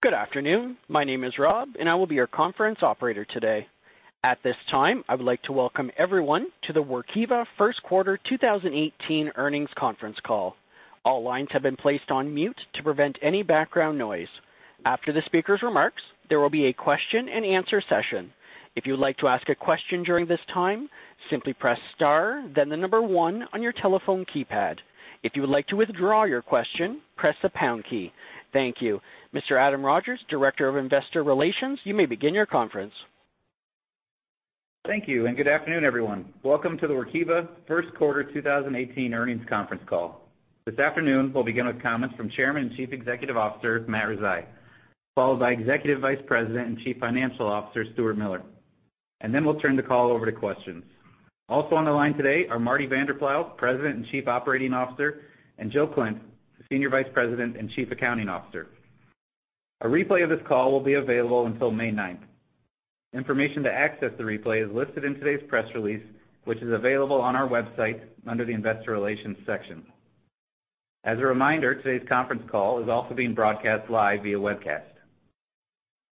Good afternoon. My name is Rob, and I will be your conference operator today. At this time, I would like to welcome everyone to the Workiva first quarter 2018 earnings conference call. All lines have been placed on mute to prevent any background noise. After the speaker's remarks, there will be a question and answer session. If you would like to ask a question during this time, simply press star, then the number one on your telephone keypad. If you would like to withdraw your question, press the pound key. Thank you. Mr. Adam Rogers, Director of Investor Relations, you may begin your conference. Thank you, and good afternoon, everyone. Welcome to the Workiva first quarter 2018 earnings conference call. This afternoon we'll begin with comments from Chairman and Chief Executive Officer, Matt Rizai, followed by Executive Vice President and Chief Financial Officer, Stuart Miller, and then we'll turn the call over to questions. Also on the line today are Martin Vanderploeg, President and Chief Operating Officer, and Jill Klindt, Senior Vice President and Chief Accounting Officer. A replay of this call will be available until May 9th. Information to access the replay is listed in today's press release, which is available on our website under the investor relations section. As a reminder, today's conference call is also being broadcast live via webcast.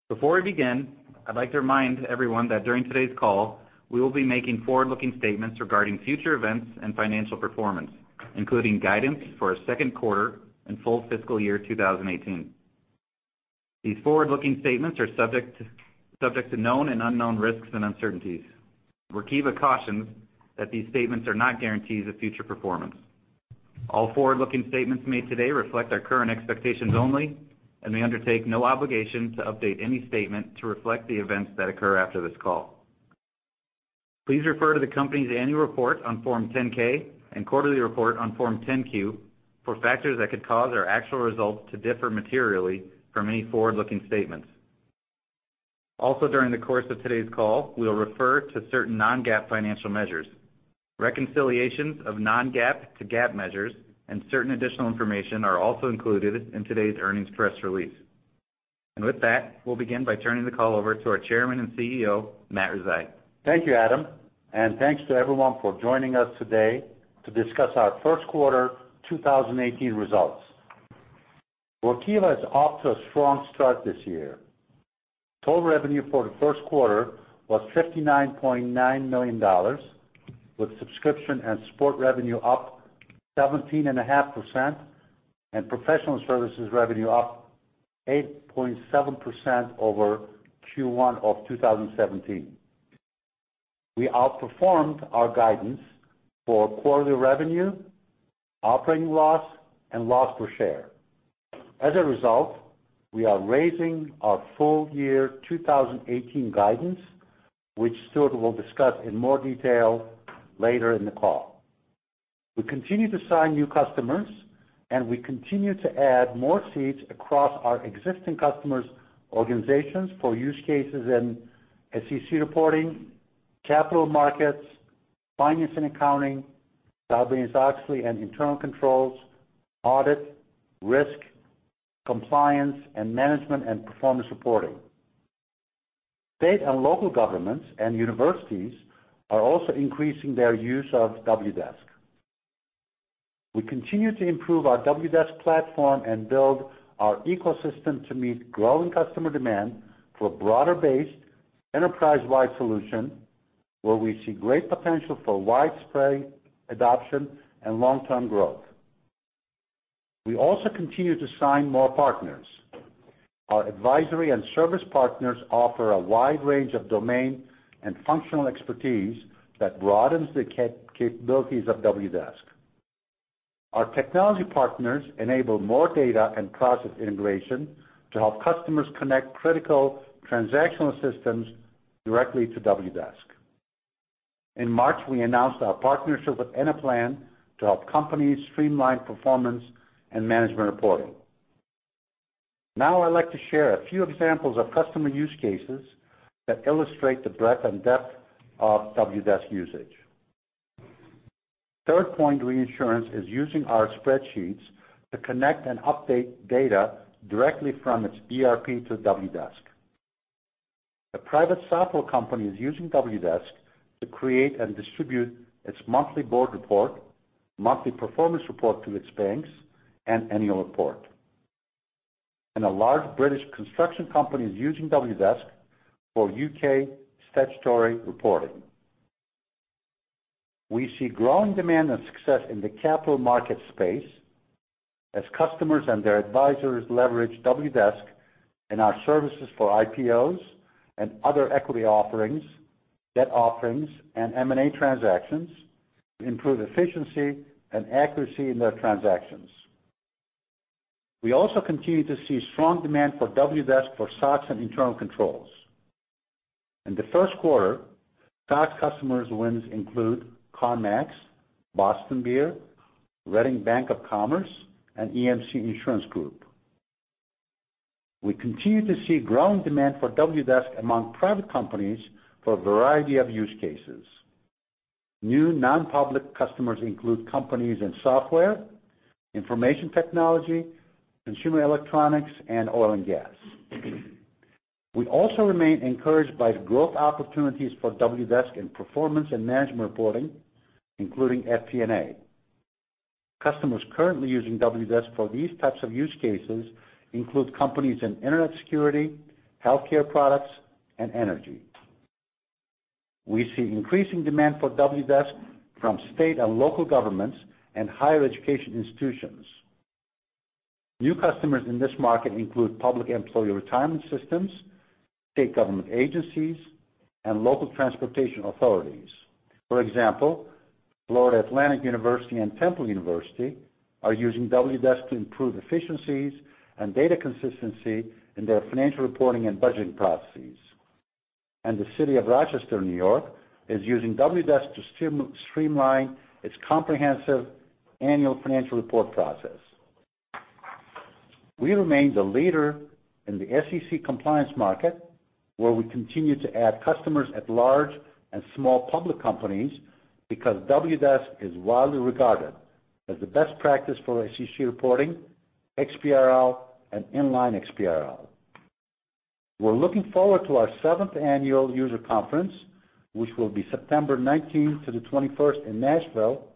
Before we begin, I'd like to remind everyone that during today's call, we will be making forward-looking statements regarding future events and financial performance, including guidance for our second quarter and full fiscal year 2018. These forward-looking statements are subject to known and unknown risks and uncertainties. Workiva cautions that these statements are not guarantees of future performance. All forward-looking statements made today reflect our current expectations only, and we undertake no obligation to update any statement to reflect the events that occur after this call. Please refer to the company's annual report on Form 10-K and quarterly report on Form 10-Q for factors that could cause our actual results to differ materially from any forward-looking statements. Also, during the course of today's call, we will refer to certain non-GAAP financial measures. Reconciliations of non-GAAP to GAAP measures and certain additional information are also included in today's earnings press release. With that, we'll begin by turning the call over to our Chairman and CEO, Matt Rizai. Thank you, Adam, and thanks to everyone for joining us today to discuss our first quarter 2018 results. Workiva is off to a strong start this year. Total revenue for the first quarter was $59.9 million, with subscription and support revenue up 17.5% and professional services revenue up 8.7% over Q1 of 2017. We outperformed our guidance for quarterly revenue, operating loss, and loss per share. As a result, we are raising our full year 2018 guidance, which Stuart will discuss in more detail later in the call. We continue to sign new customers, and we continue to add more seats across our existing customers' organizations for use cases in SEC reporting, capital markets, finance and accounting, Sarbanes-Oxley and internal controls, audit, risk, compliance, and management and performance reporting. State and local governments and universities are also increasing their use of Wdesk. We continue to improve our Wdesk platform and build our ecosystem to meet growing customer demand for a broader-based, enterprise-wide solution where we see great potential for widespread adoption and long-term growth. We also continue to sign more partners. Our advisory and service partners offer a wide range of domain and functional expertise that broadens the capabilities of Wdesk. Our technology partners enable more data and process integration to help customers connect critical transactional systems directly to Wdesk. In March, we announced our partnership with Anaplan to help companies streamline performance and management reporting. I'd like to share a few examples of customer use cases that illustrate the breadth and depth of Wdesk usage. Third Point Reinsurance is using our spreadsheets to connect and update data directly from its ERP to Wdesk. A private software company is using Wdesk to create and distribute its monthly board report, monthly performance report to its banks, and annual report. A large British construction company is using Wdesk for U.K. statutory reporting. We see growing demand and success in the capital market space as customers and their advisors leverage Wdesk and our services for IPOs and other equity offerings, debt offerings, and M&A transactions to improve efficiency and accuracy in their transactions. We also continue to see strong demand for Wdesk for SOX and internal controls. In the first quarter, SOX customers wins include CarMax, Boston Beer, Redding Bank of Commerce, and EMC Insurance Group. We continue to see growing demand for Wdesk among private companies for a variety of use cases. New non-public customers include companies in software, information technology, consumer electronics, and oil and gas. We also remain encouraged by the growth opportunities for Wdesk in performance and management reporting, including FP&A. Customers currently using Wdesk for these types of use cases include companies in internet security, healthcare products, and energy. We see increasing demand for Wdesk from state and local governments and higher education institutions. New customers in this market include public employee retirement systems, state government agencies, and local transportation authorities. For example, Florida Atlantic University and Temple University are using Wdesk to improve efficiencies and data consistency in their financial reporting and budgeting processes. The city of Rochester, New York, is using Wdesk to streamline its comprehensive annual financial report process. We remain the leader in the SEC compliance market, where we continue to add customers at large and small public companies, because Wdesk is widely regarded as the best practice for SEC reporting, XBRL, and Inline XBRL. We're looking forward to our seventh annual user conference, which will be September 19th to the 21st in Nashville,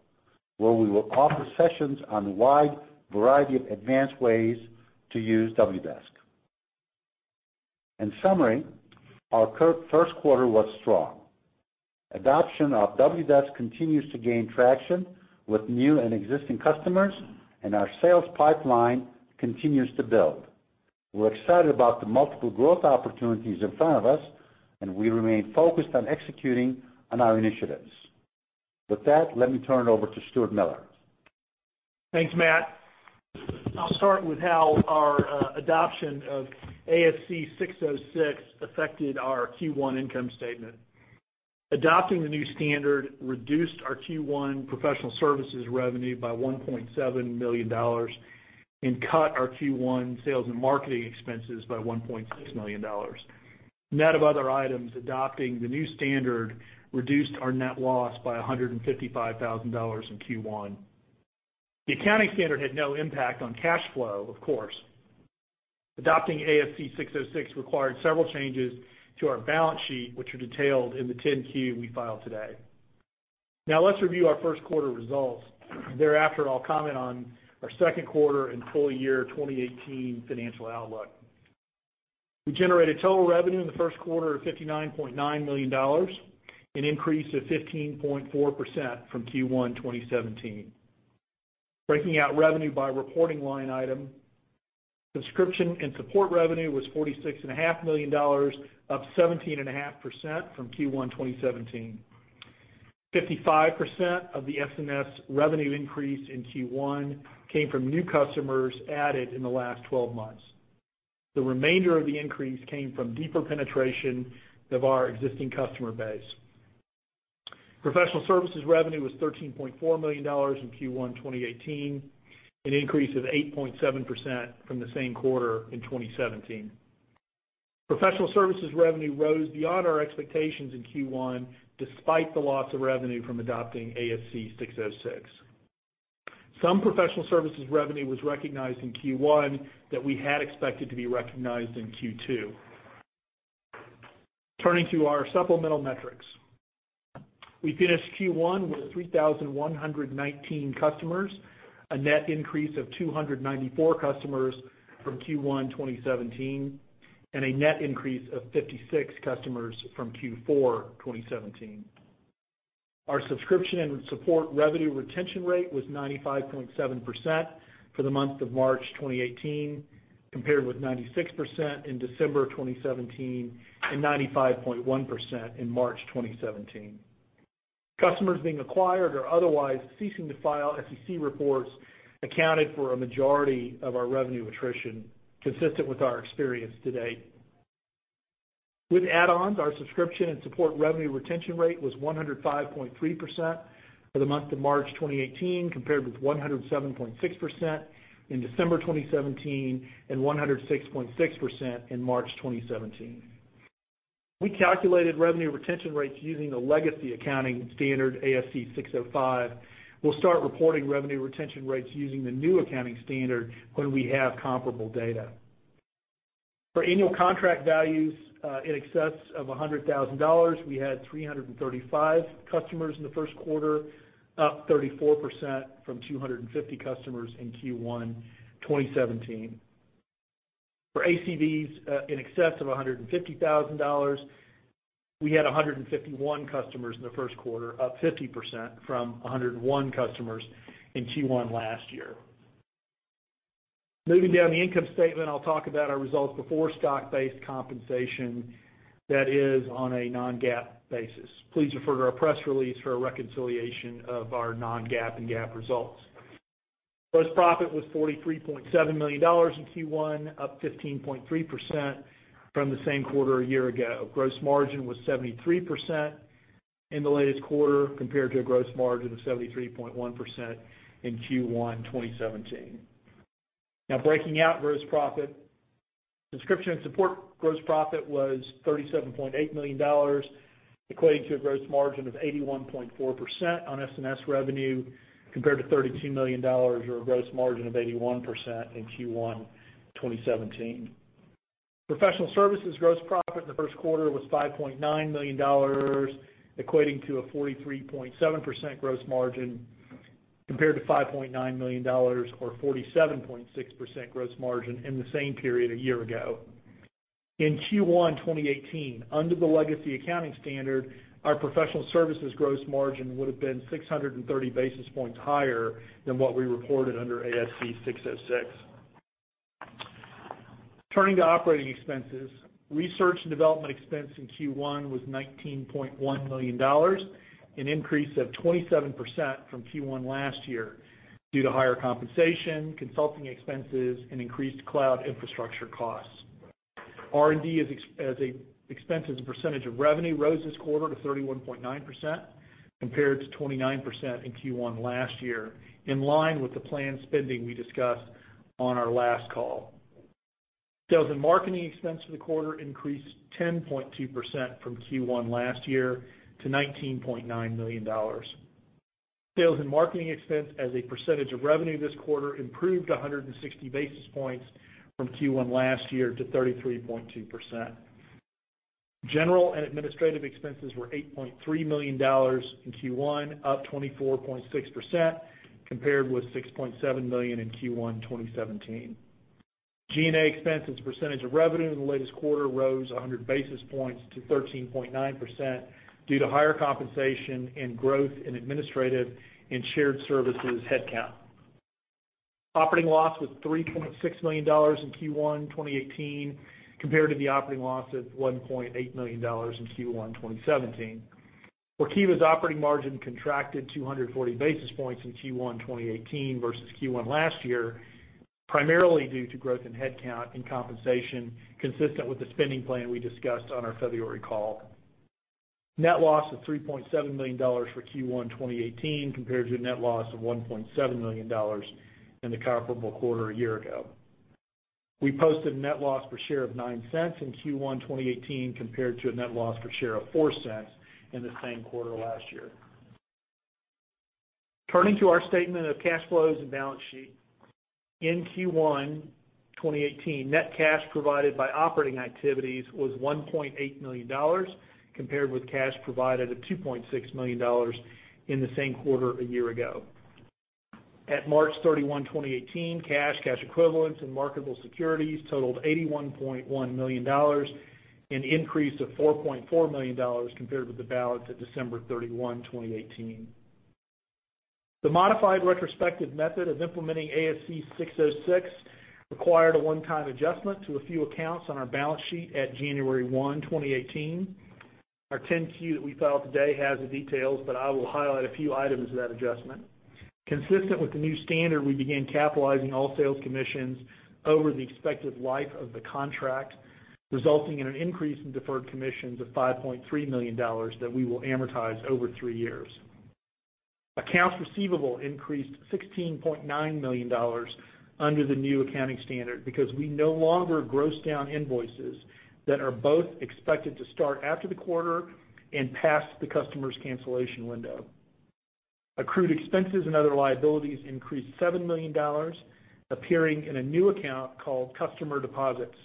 where we will offer sessions on a wide variety of advanced ways to use Wdesk. In summary, our first quarter was strong. Adoption of Wdesk continues to gain traction with new and existing customers, and our sales pipeline continues to build. We're excited about the multiple growth opportunities in front of us, and we remain focused on executing on our initiatives. With that, let me turn it over to Stuart Miller. Thanks, Matt. I'll start with how our adoption of ASC 606 affected our Q1 income statement. Adopting the new standard reduced our Q1 professional services revenue by $1.7 million and cut our Q1 sales and marketing expenses by $1.6 million. Net of other items, adopting the new standard reduced our net loss by $155,000 in Q1. The accounting standard had no impact on cash flow, of course. Adopting ASC 606 required several changes to our balance sheet, which are detailed in the 10-Q we filed today. Let's review our first quarter results. Thereafter, I'll comment on our second quarter and full year 2018 financial outlook. We generated total revenue in the first quarter of $59.9 million, an increase of 15.4% from Q1 2017. Breaking out revenue by reporting line item, subscription and support revenue was $46.5 million, up 17.5% from Q1 2017. 55% of the SNS revenue increase in Q1 came from new customers added in the last 12 months. The remainder of the increase came from deeper penetration of our existing customer base. Professional services revenue was $13.4 million in Q1 2018, an increase of 8.7% from the same quarter in 2017. Professional services revenue rose beyond our expectations in Q1, despite the loss of revenue from adopting ASC 606. Some professional services revenue was recognized in Q1 that we had expected to be recognized in Q2. Turning to our supplemental metrics. We finished Q1 with 3,119 customers, a net increase of 294 customers from Q1 2017, and a net increase of 56 customers from Q4 2017. Our subscription and support revenue retention rate was 95.7% for the month of March 2018, compared with 96% in December 2017 and 95.1% in March 2017. Customers being acquired or otherwise ceasing to file SEC reports accounted for a majority of our revenue attrition, consistent with our experience to date. With add-ons, our subscription and support revenue retention rate was 105.3% for the month of March 2018, compared with 107.6% in December 2017 and 106.6% in March 2017. We calculated revenue retention rates using the legacy accounting standard, ASC 605. We'll start reporting revenue retention rates using the new accounting standard when we have comparable data. For annual contract values in excess of $100,000, we had 335 customers in the first quarter, up 34% from 250 customers in Q1 2017. For ACV in excess of $150,000, we had 151 customers in the first quarter, up 50% from 101 customers in Q1 last year. Moving down the income statement, I'll talk about our results before stock-based compensation, that is on a non-GAAP basis. Please refer to our press release for a reconciliation of our non-GAAP and GAAP results. Gross profit was $43.7 million in Q1, up 15.3% from the same quarter a year ago. Gross margin was 73% in the latest quarter, compared to a gross margin of 73.1% in Q1 2017. Breaking out gross profit, subscription and support gross profit was $37.8 million, equating to a gross margin of 81.4% on S&S revenue, compared to $32 million, or a gross margin of 81% in Q1 2017. Professional services gross profit in the first quarter was $5.9 million, equating to a 43.7% gross margin, compared to $5.9 million, or 47.6% gross margin in the same period a year ago. In Q1 2018, under the legacy accounting standard, our professional services gross margin would have been 630 basis points higher than what we reported under ASC 606. Turning to operating expenses, research and development expense in Q1 was $19.1 million, an increase of 27% from Q1 last year, due to higher compensation, consulting expenses, and increased cloud infrastructure costs. R&D expense as a percentage of revenue rose this quarter to 31.9%, compared to 29% in Q1 last year, in line with the planned spending we discussed on our last call. Sales and marketing expense for the quarter increased 10.2% from Q1 last year to $19.9 million. Sales and marketing expense as a percentage of revenue this quarter improved 160 basis points from Q1 last year to 33.2%. General and administrative expenses were $8.3 million in Q1, up 24.6%, compared with $6.7 million in Q1 2017. G&A expense as a percentage of revenue in the latest quarter rose 100 basis points to 13.9% due to higher compensation and growth in administrative and shared services headcount. Operating loss was $3.6 million in Q1 2018, compared to the operating loss of $1.8 million in Q1 2017. Workiva's operating margin contracted 240 basis points in Q1 2018 versus Q1 last year, primarily due to growth in headcount and compensation, consistent with the spending plan we discussed on our February call. Net loss of $3.7 million for Q1 2018, compared to a net loss of $1.7 million in the comparable quarter a year ago. We posted net loss per share of $0.09 in Q1 2018, compared to a net loss per share of $0.04 in the same quarter last year. Turning to our statement of cash flows and balance sheet. In Q1 2018, net cash provided by operating activities was $1.8 million, compared with cash provided of $2.6 million in the same quarter a year ago. At March 31, 2018, cash equivalents, and marketable securities totaled $81.1 million, an increase of $4.4 million compared with the balance at December 31, 2017. The modified retrospective method of implementing ASC 606 required a one-time adjustment to a few accounts on our balance sheet at January 1, 2018. Our 10-Q that we filed today has the details, but I will highlight a few items of that adjustment. Consistent with the new standard, we began capitalizing all sales commissions over the expected life of the contract, resulting in an increase in deferred commissions of $5.3 million that we will amortize over three years. Accounts receivable increased $16.9 million under the new accounting standard because we no longer gross down invoices that are both expected to start after the quarter and past the customer's cancellation window. Accrued expenses and other liabilities increased $7 million, appearing in a new account called Customer Deposits,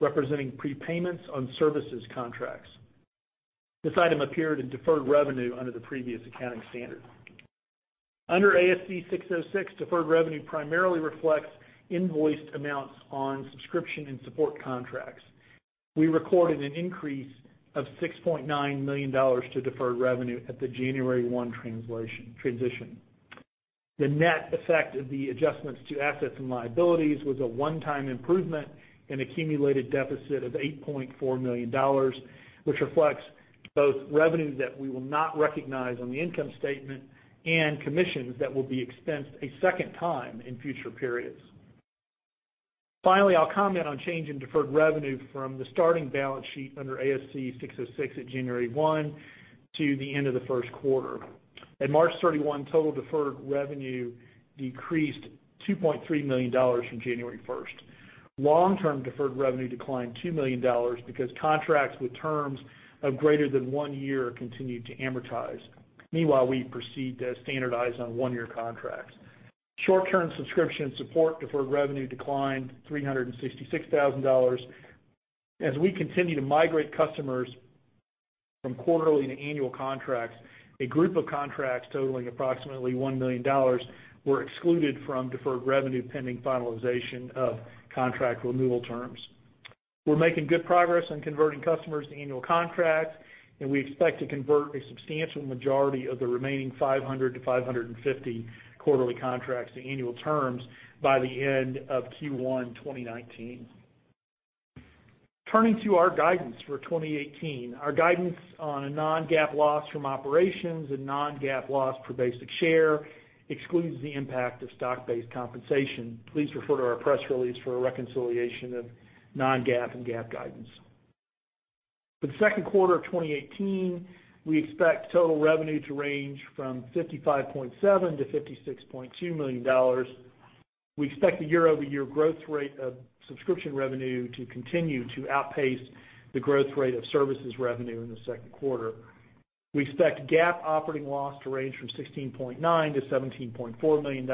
representing prepayments on services contracts. This item appeared in deferred revenue under the previous accounting standard. Under ASC 606, deferred revenue primarily reflects invoiced amounts on subscription and support contracts. We recorded an increase of $6.9 million to deferred revenue at the January 1 transition. The net effect of the adjustments to assets and liabilities was a one-time improvement in accumulated deficit of $8.4 million, which reflects both revenue that we will not recognize on the income statement and commissions that will be expensed a second time in future periods. Finally, I'll comment on change in deferred revenue from the starting balance sheet under ASC 606 at January 1 to the end of the first quarter. At March 31, total deferred revenue decreased $2.3 million from January 1. Long-term deferred revenue declined $2 million because contracts with terms of greater than one year continued to amortize. We proceed to standardize on one-year contracts. Short-term subscription support deferred revenue declined $366,000. We continue to migrate customers from quarterly to annual contracts, a group of contracts totaling approximately $1 million were excluded from deferred revenue pending finalization of contract renewal terms. We're making good progress on converting customers to annual contracts, and we expect to convert a substantial majority of the remaining 500 to 550 quarterly contracts to annual terms by the end of Q1 2019. Turning to our guidance for 2018. Our guidance on a non-GAAP loss from operations and non-GAAP loss per basic share excludes the impact of stock-based compensation. Please refer to our press release for a reconciliation of non-GAAP and GAAP guidance. For the second quarter of 2018, we expect total revenue to range from $55.7 million to $56.2 million. We expect the year-over-year growth rate of subscription revenue to continue to outpace the growth rate of services revenue in the second quarter. We expect GAAP operating loss to range from $16.9 million to $17.4 million.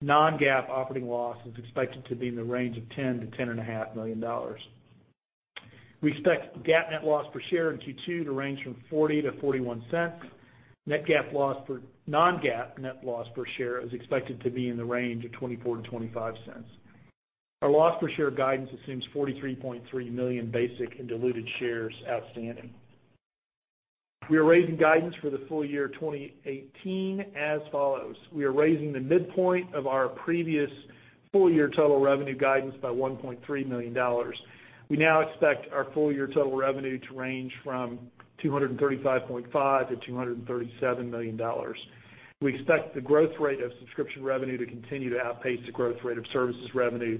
non-GAAP operating loss is expected to be in the range of $10 million to $10.5 million. We expect GAAP net loss per share in Q2 to range from $0.40 to $0.41. non-GAAP net loss per share is expected to be in the range of $0.24 to $0.25. Our loss per share guidance assumes 43.3 million basic and diluted shares outstanding. We are raising guidance for the full year 2018 as follows. We are raising the midpoint of our previous full-year total revenue guidance by $1.3 million. We now expect our full-year total revenue to range from $235.5 million to $237 million. We expect the growth rate of subscription revenue to continue to outpace the growth rate of services revenue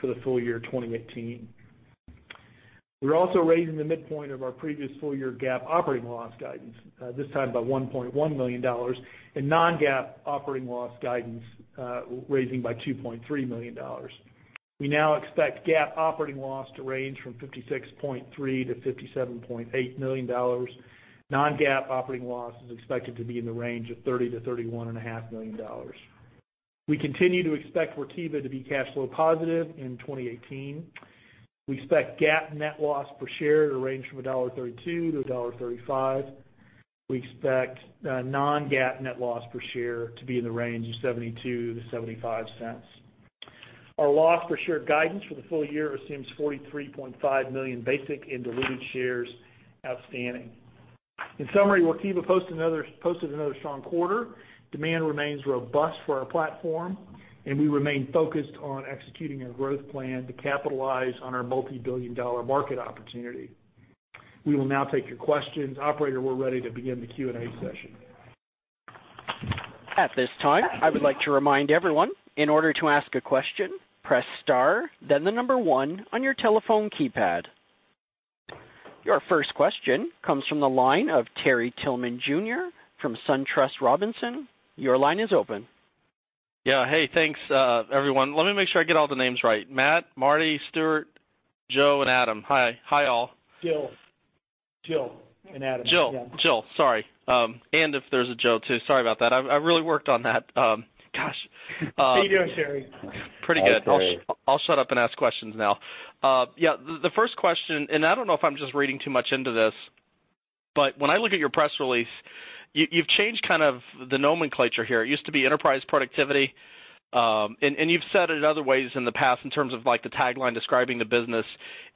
for the full year 2018. We're also raising the midpoint of our previous full-year GAAP operating loss guidance, this time by $1.1 million, and non-GAAP operating loss guidance, raising by $2.3 million. We now expect GAAP operating loss to range from $56.3 million to $57.8 million. non-GAAP operating loss is expected to be in the range of $30 million to $31.5 million. We continue to expect Workiva to be cash flow positive in 2018. We expect GAAP net loss per share to range from $1.32 to $1.35. We expect non-GAAP net loss per share to be in the range of $0.72 to $0.75. Our loss per share guidance for the full year assumes 43.5 million basic and diluted shares outstanding. In summary, Workiva posted another strong quarter. Demand remains robust for our platform, and we remain focused on executing a growth plan to capitalize on our multi-billion dollar market opportunity. We will now take your questions. Operator, we're ready to begin the Q&A session. At this time, I would like to remind everyone, in order to ask a question, press star, then the number one on your telephone keypad. Your first question comes from the line of Terry Tillman Jr. from SunTrust Robinson Humphrey. Your line is open. Yeah. Hey, thanks, everyone. Let me make sure I get all the names right. Matt, Marty, Stuart, Jill, and Adam. Hi, all. Jill. Jill and Adam. Jill. Sorry. If there's a Jill too, sorry about that. I really worked on that. Gosh. How are you doing, Terry? Pretty good. Hi, Terry. I'll shut up and ask questions now. Yeah, the first question, I don't know if I'm just reading too much into this, when I look at your press release, you've changed kind of the nomenclature here. It used to be enterprise productivity, and you've said it other ways in the past in terms of the tagline describing the business.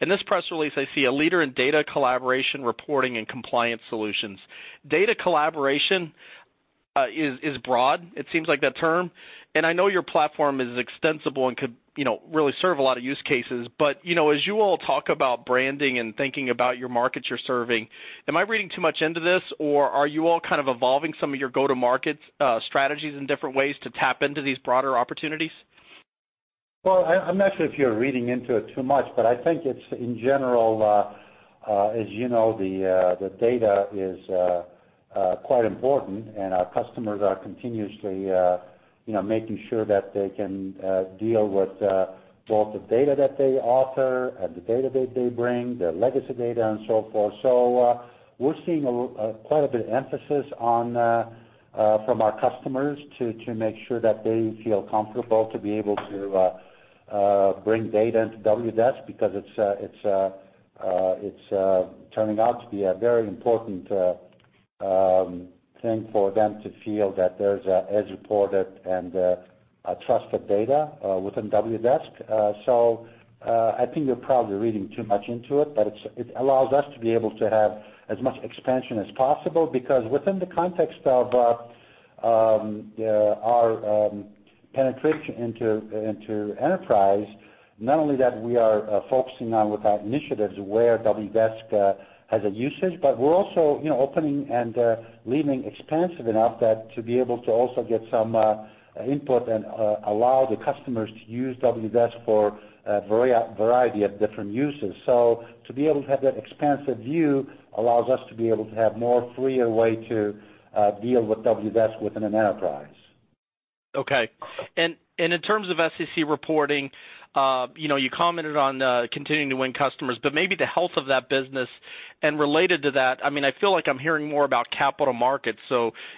In this press release, I see a leader in data collaboration, reporting, and compliance solutions. Data collaboration is broad, it seems like, that term, and I know your platform is extensible and could really serve a lot of use cases. As you all talk about branding and thinking about your markets you're serving, am I reading too much into this, or are you all kind of evolving some of your go-to-market strategies in different ways to tap into these broader opportunities? Well, I'm not sure if you're reading into it too much, but I think it's, in general, as you know, the data is quite important, and our customers are continuously making sure that they can deal with both the data that they author and the data that they bring, their legacy data, and so forth. We're seeing quite a bit of emphasis from our customers to make sure that they feel comfortable to be able to bring data into Wdesk, because it's turning out to be a very important thing for them to feel that there's as reported and trusted data within Wdesk. I think you're probably reading too much into it, but it allows us to be able to have as much expansion as possible, because within the context of our penetration into enterprise, not only that we are focusing on with our initiatives where Wdesk has a usage, but we're also opening and leaving expansive enough that to be able to also get some input and allow the customers to use Wdesk for a variety of different uses. To be able to have that expansive view allows us to be able to have more freer way to deal with Wdesk within an enterprise. Okay. In terms of SEC reporting, you commented on continuing to win customers, but maybe the health of that business. Related to that, I feel like I'm hearing more about capital markets,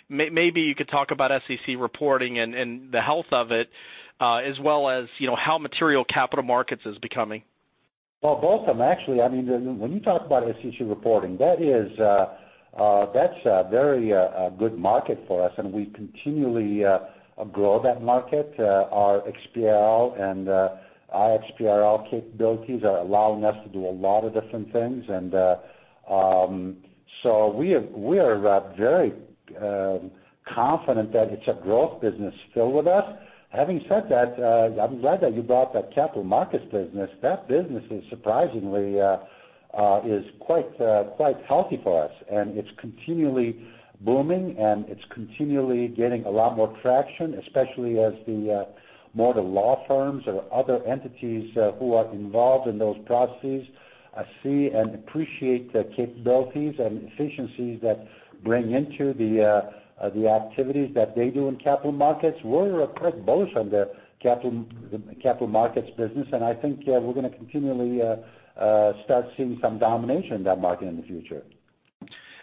maybe you could talk about SEC reporting and the health of it, as well as how material capital markets is becoming. Well, both of them, actually. When you talk about SEC reporting, that's a very good market for us, and we continually grow that market. Our XBRL and iXBRL capabilities are allowing us to do a lot of different things. We are very confident that it's a growth business still with us. Having said that, I'm glad that you brought that capital markets business. That business is surprisingly quite healthy for us, and it's continually booming, and it's continually getting a lot more traction, especially as more of the law firms or other entities who are involved in those processes see and appreciate the capabilities and efficiencies that bring into the activities that they do in capital markets. We're quite bullish on the capital markets business, and I think we're going to continually start seeing some domination in that market in the future.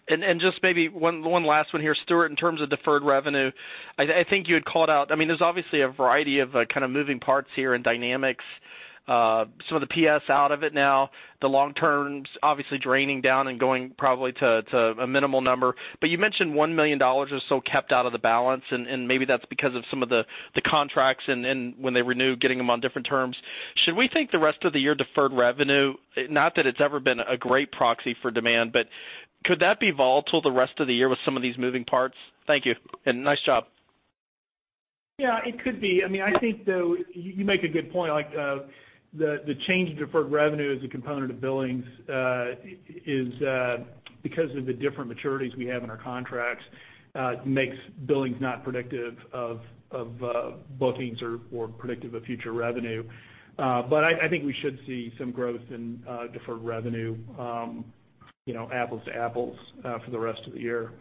Just maybe one last one here, Stuart, in terms of deferred revenue, I think you had called out, there's obviously a variety of moving parts here and dynamics. Some of the PS out of it now, the long-term's obviously draining down and going probably to a minimal number. You mentioned $1 million or so kept out of the balance, and maybe that's because of some of the contracts and when they renew, getting them on different terms. Should we think the rest of the year deferred revenue, not that it's ever been a great proxy for demand, but could that be volatile the rest of the year with some of these moving parts? Thank you, and nice job. Yeah, it could be. I think, though, you make a good point. The change in deferred revenue as a component of billings, because of the different maturities we have in our contracts, makes billings not predictive of bookings or predictive of future revenue. I think we should see some growth in deferred revenue, apples to apples, for the rest of the year.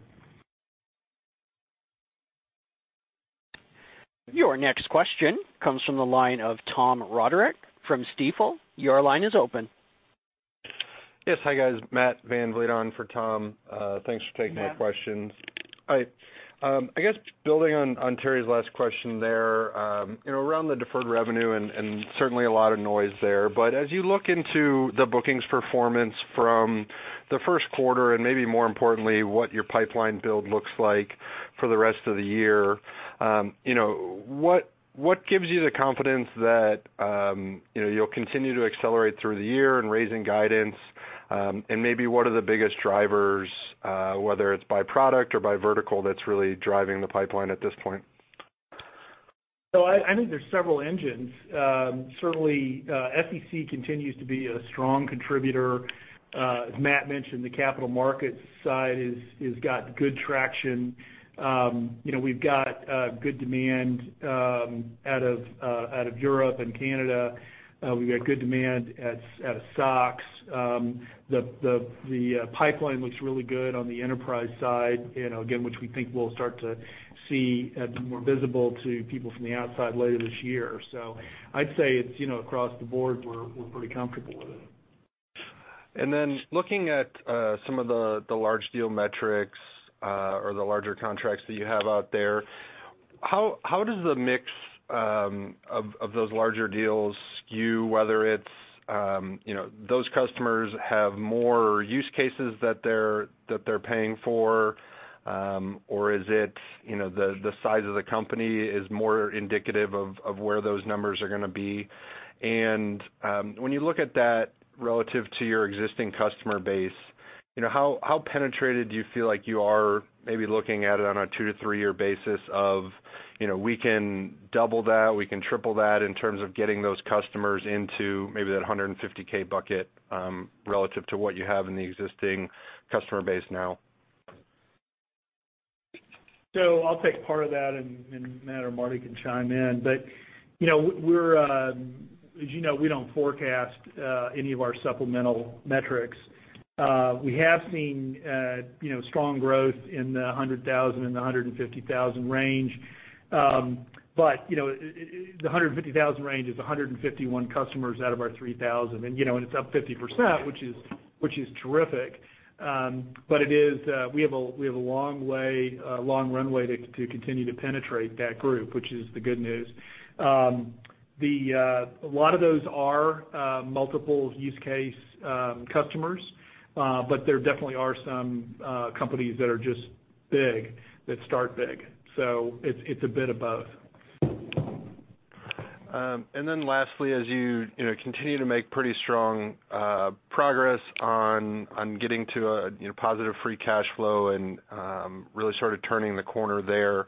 Your next question comes from the line of Tom Roderick from Stifel. Your line is open. Yes, hi, guys. Matthew Van Vleet on for Tom. Thanks for taking my questions. Matt. Hi. I guess building on Terry's last question there, around the deferred revenue and certainly a lot of noise there. As you look into the bookings performance from the first quarter and maybe more importantly, what your pipeline build looks like for the rest of the year, what gives you the confidence that you'll continue to accelerate through the year and raising guidance? Maybe what are the biggest drivers, whether it's by product or by vertical, that's really driving the pipeline at this point? I think there's several engines. Certainly, SEC continues to be a strong contributor. As Matt mentioned, the capital markets side has got good traction. We've got good demand out of Europe and Canada. We've got good demand out of SOX. The pipeline looks really good on the enterprise side, again, which we think we'll start to see more visible to people from the outside later this year. I'd say it's across the board, we're pretty comfortable with it. Looking at some of the large deal metrics, or the larger contracts that you have out there, how does the mix of those larger deals skew, whether it's those customers have more use cases that they're paying for, or is it the size of the company is more indicative of where those numbers are going to be? When you look at that relative to your existing customer base, how penetrated do you feel like you are maybe looking at it on a two- to three-year basis of, we can double that, we can triple that in terms of getting those customers into maybe that 150K bucket, relative to what you have in the existing customer base now? I'll take part of that, and Matt or Marty can chime in. As you know, we don't forecast any of our supplemental metrics. We have seen strong growth in the 100,000 and the 150,000 range. The 150,000 range is 151 customers out of our 3,000. It's up 50%, which is terrific. We have a long runway to continue to penetrate that group, which is the good news. A lot of those are multiple use case customers, but there definitely are some companies that are just big, that start big. It's a bit of both. Lastly, as you continue to make pretty strong progress on getting to a positive free cash flow and really sort of turning the corner there,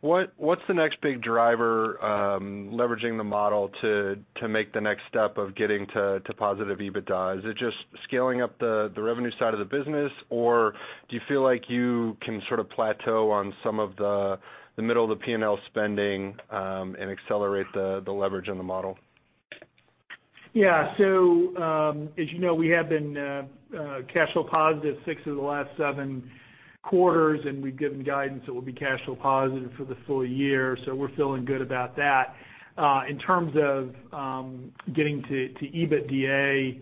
what's the next big driver leveraging the model to make the next step of getting to positive EBITDA? Is it just scaling up the revenue side of the business, or do you feel like you can sort of plateau on some of the middle of the P&L spending and accelerate the leverage in the model? As you know, we have been cash flow positive six of the last seven quarters, and we've given guidance that we'll be cash flow positive for the full year. We're feeling good about that. In terms of getting to EBITDA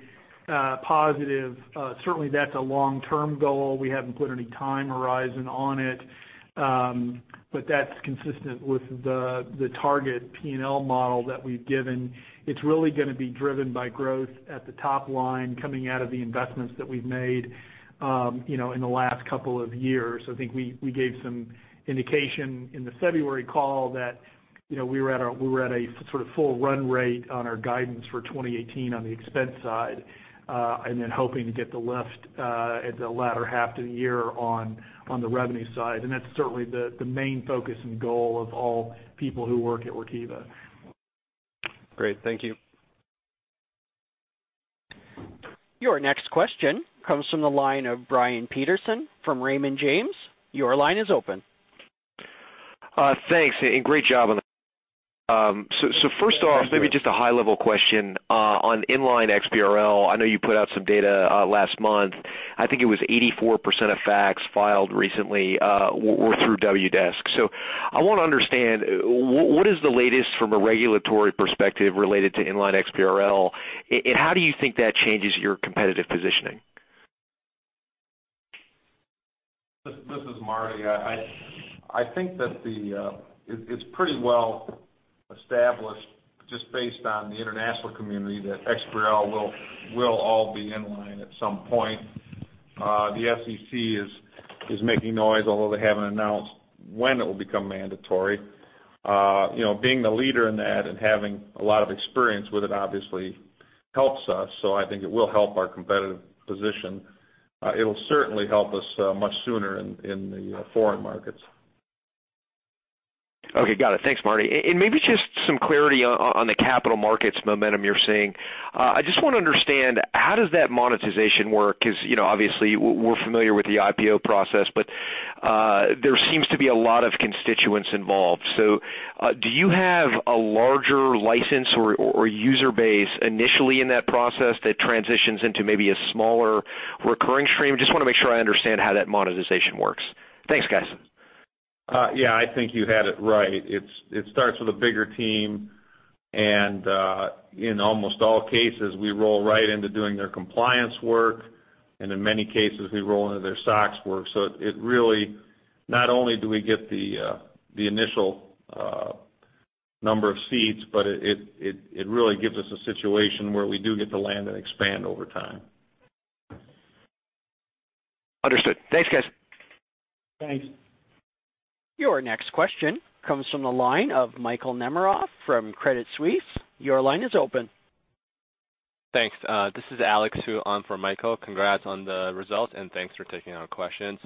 positive, certainly that's a long-term goal. We haven't put any time horizon on it. That's consistent with the target P&L model that we've given. It's really going to be driven by growth at the top line coming out of the investments that we've made in the last couple of years. I think we gave some indication in the February call that we were at a sort of full run rate on our guidance for 2018 on the expense side, hoping to get the lift at the latter half of the year on the revenue side. That's certainly the main focus and goal of all people who work at Workiva. Great. Thank you. Your next question comes from the line of Brian Peterson from Raymond James. Your line is open. Thanks. Great job. Thanks, Brian. First off, maybe just a high-level question on Inline XBRL. I know you put out some data last month. I think it was 84% of facts filed recently were through Wdesk. I want to understand, what is the latest from a regulatory perspective related to Inline XBRL, and how do you think that changes your competitive positioning? This is Marty. I think that it's pretty well established, just based on the international community, that XBRL will all be Inline at some point. The SEC is making noise, although they haven't announced when it will become mandatory. Being the leader in that and having a lot of experience with it obviously helps us. I think it will help our competitive position. It'll certainly help us much sooner in the foreign markets. Okay, got it. Thanks, Marty. Maybe just some clarity on the capital markets momentum you're seeing. I just want to understand, how does that monetization work? Because obviously, we're familiar with the IPO process, but there seems to be a lot of constituents involved. Do you have a larger license or user base initially in that process that transitions into maybe a smaller recurring stream? Just want to make sure I understand how that monetization works. Thanks, guys. Yeah, I think you had it right. It starts with a bigger team and, in almost all cases, we roll right into doing their compliance work, and in many cases, we roll into their SOX work. Not only do we get the initial number of seats, but it really gives us a situation where we do get to land and expand over time. Understood. Thanks, guys. Thanks. Your next question comes from the line of Michael Nemeroff from Credit Suisse. Your line is open. Thanks. This is Alex, on for Michael. Congrats on the results, and thanks for taking our questions.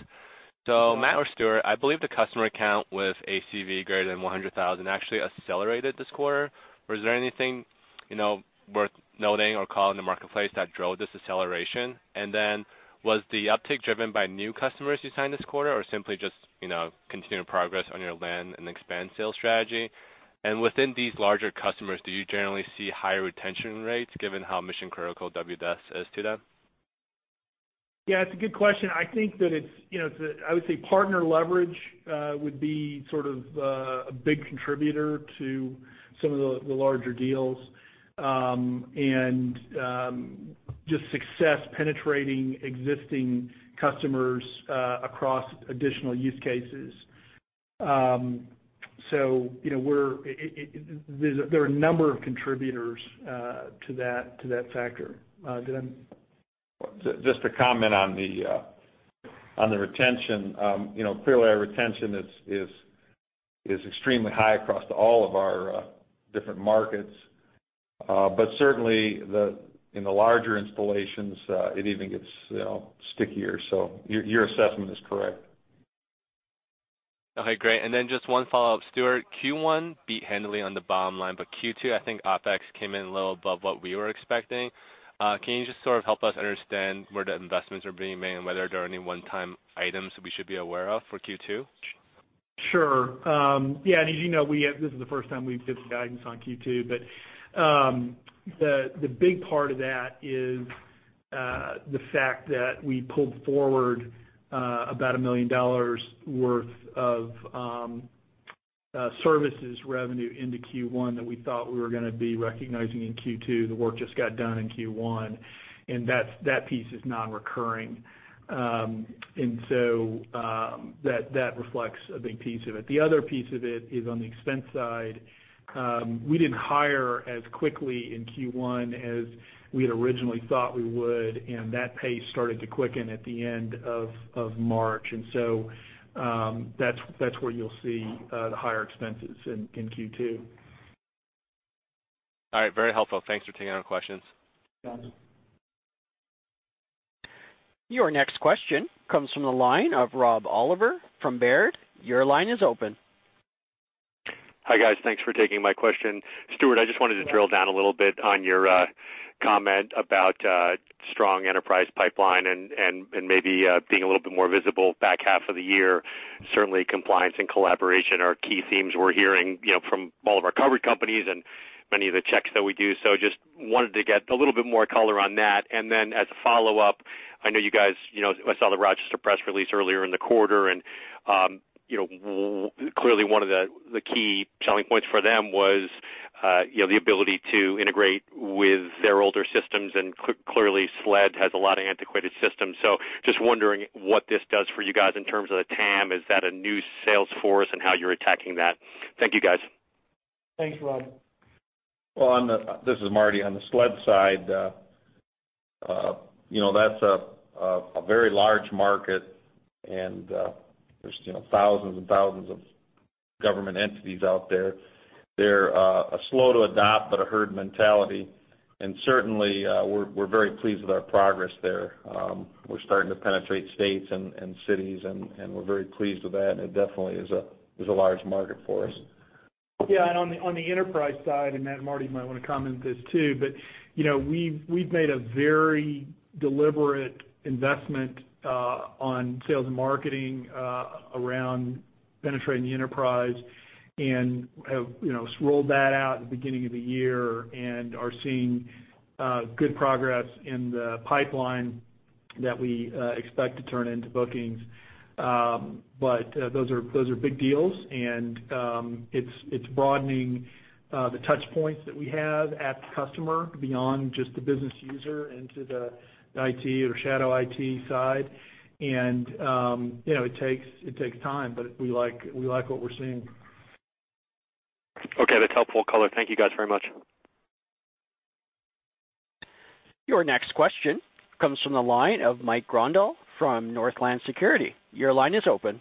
Yeah. Matt or Stuart, I believe the customer count with ACV greater than 100,000 actually accelerated this quarter, or is there anything worth noting or call in the marketplace that drove this acceleration? Was the uptick driven by new customers you signed this quarter or simply just continuing progress on your land and expand sales strategy? Within these larger customers, do you generally see higher retention rates given how mission-critical Wdesk is to them? Yeah, it's a good question. I would say partner leverage would be sort of a big contributor to some of the larger deals, and just success penetrating existing customers across additional use cases. There are a number of contributors to that factor. Did I? Just to comment on the retention. Clearly our retention is extremely high across all of our different markets. Certainly in the larger installations, it even gets stickier. Your assessment is correct. Okay, great. Just one follow-up. Stuart, Q1 beat handily on the bottom line, Q2, I think OpEx came in a little above what we were expecting. Can you just sort of help us understand where the investments are being made and whether there are any one-time items we should be aware of for Q2? Sure. Yeah, as you know, this is the first time we've given guidance on Q2. The big part of that is the fact that we pulled forward about $1 million worth of services revenue into Q1 that we thought we were going to be recognizing in Q2. The work just got done in Q1, that piece is non-recurring. That reflects a big piece of it. The other piece of it is on the expense side. We didn't hire as quickly in Q1 as we had originally thought we would, that pace started to quicken at the end of March. That's where you'll see the higher expenses in Q2. All right. Very helpful. Thanks for taking our questions. Got it. Your next question comes from the line of Rob Oliver from Baird. Your line is open. Hi, guys. Thanks for taking my question. Stuart, I just wanted to drill down a little bit on your comment about strong enterprise pipeline and maybe being a little bit more visible back half of the year. Certainly compliance and collaboration are key themes we're hearing from all of our covered companies and many of the checks that we do. Just wanted to get a little bit more color on that. As a follow-up, I know you guys-- I saw the Rochester press release earlier in the quarter, and clearly one of the key selling points for them was the ability to integrate with their older systems, and clearly SLED has a lot of antiquated systems. Just wondering what this does for you guys in terms of the TAM. Is that a new sales force and how you're attacking that? Thank you, guys. Thanks, Rob. Well, this is Marty. On the SLED side, that's a very large market and there's thousands and thousands of government entities out there. They're slow to adopt, but a herd mentality. Certainly, we're very pleased with our progress there. We're starting to penetrate states and cities, and we're very pleased with that, and it definitely is a large market for us. On the enterprise side, Matt and Marty might want to comment on this too, We've made a very deliberate investment on sales and marketing around penetrating the enterprise and have rolled that out at the beginning of the year and are seeing good progress in the pipeline that we expect to turn into bookings. Those are big deals, and it's broadening the touch points that we have at the customer, beyond just the business user into the IT or shadow IT side. It takes time, but we like what we're seeing. Okay. That's helpful color. Thank you guys very much. Your next question comes from the line of Mike Grondahl from Northland Securities. Your line is open.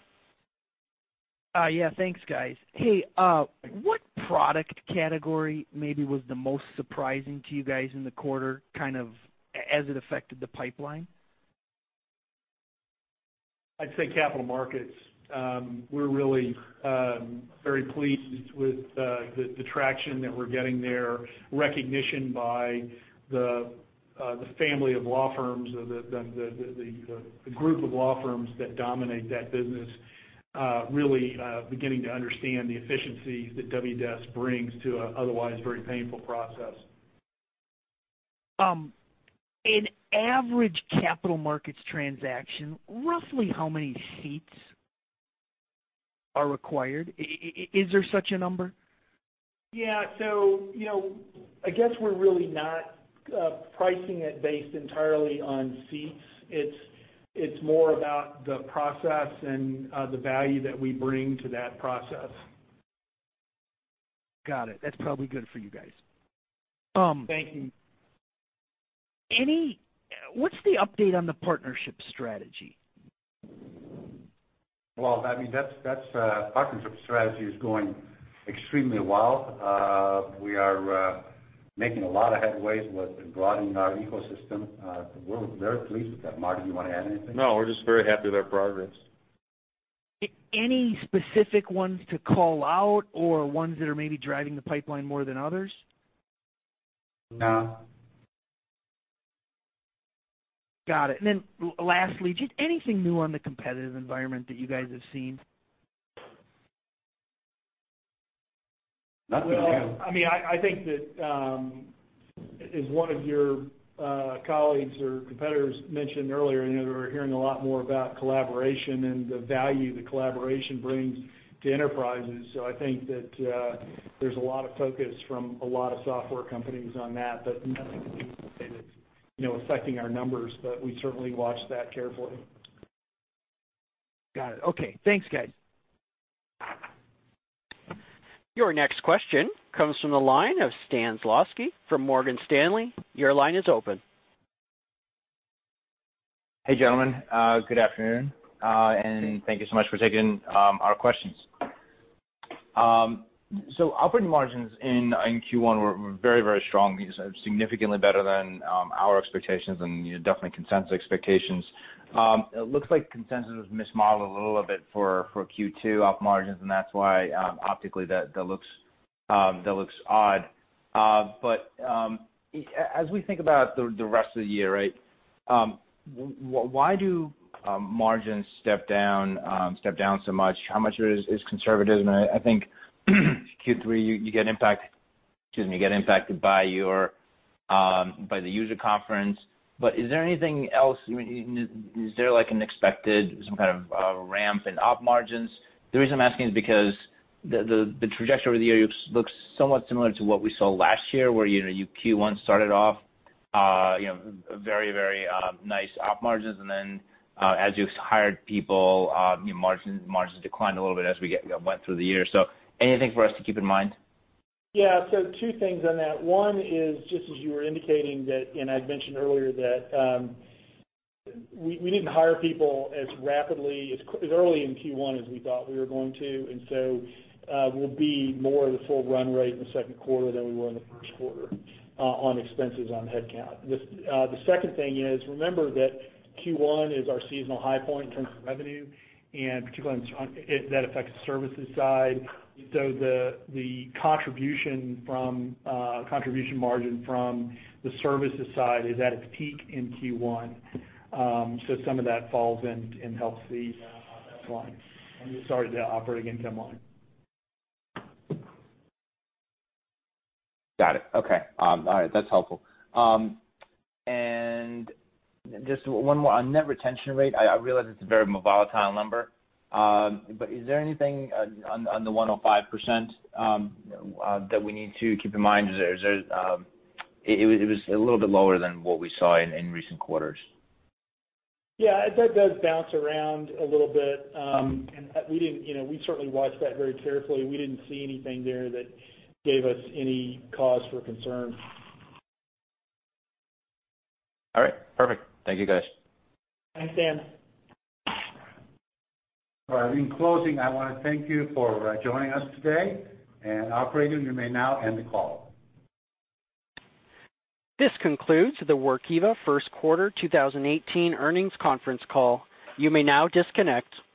Yeah, thanks, guys. Hey, what product category maybe was the most surprising to you guys in the quarter, kind of as it affected the pipeline? I'd say capital markets. We're really very pleased with the traction that we're getting there, recognition by the family of law firms or the group of law firms that dominate that business, really beginning to understand the efficiencies that Wdesk brings to an otherwise very painful process. In an average capital markets transaction, roughly how many seats are required? Is there such a number? Yeah. I guess we're really not pricing it based entirely on seats. It's more about the process and the value that we bring to that process. Got it. That's probably good for you guys. Thank you. What's the update on the partnership strategy? Well, I mean, that's, partnership strategy is going extremely well. We are making a lot of headway with broadening our ecosystem. We're very pleased with that. Martin, do you want to add anything? No, we're just very happy with our progress. Any specific ones to call out or ones that are maybe driving the pipeline more than others? No. Got it. Lastly, just anything new on the competitive environment that you guys have seen? Well, I mean, I think that, as one of your colleagues or competitors mentioned earlier, we're hearing a lot more about collaboration and the value that collaboration brings to enterprises. I think that there's a lot of focus from a lot of software companies on that, but nothing to indicate it's affecting our numbers, but we certainly watch that carefully. Got it. Okay. Thanks, guys. Your next question comes from the line of Stan Zlotsky from Morgan Stanley. Your line is open. Hey, gentlemen. Good afternoon. Thank you so much for taking our questions. Operating margins in Q1 were very strong. These are significantly better than our expectations and definitely consensus expectations. It looks like consensus was mismodeled a little bit for Q2 op margins, and that's why optically that looks odd. As we think about the rest of the year, why do margins step down so much? How much of it is conservative? I think Q3, you get impacted by the user conference. Is there anything else? Is there an expected, some kind of ramp in op margins? The reason I'm asking is because the trajectory over the year looks somewhat similar to what we saw last year where your Q1 started off, very nice op margins. Then, as you hired people, your margins declined a little bit as we went through the year. Anything for us to keep in mind? Yeah. Two things on that. One is just as you were indicating that, and I'd mentioned earlier that, we didn't hire people as rapidly, as early in Q1 as we thought we were going to. We'll be more at a full run rate in the second quarter than we were in the first quarter on expenses, on headcount. The second thing is, remember that Q1 is our seasonal high point in terms of revenue, and particularly, that affects the services side. The contribution margin from the services side is at its peak in Q1. Some of that falls and helps the op line. I'm sorry, the operating income line. Got it. Okay. All right. That's helpful. Just one more on net retention rate. I realize it's a very volatile number. Is there anything on the 105% that we need to keep in mind? It was a little bit lower than what we saw in recent quarters. Yeah, that does bounce around a little bit. We certainly watch that very carefully. We didn't see anything there that gave us any cause for concern. All right. Perfect. Thank you, guys. Thanks, Stan. All right. In closing, I want to thank you for joining us today, and operator, you may now end the call. This concludes the Workiva first quarter 2018 earnings conference call. You may now disconnect.